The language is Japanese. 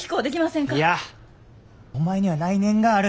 いやお前には来年がある。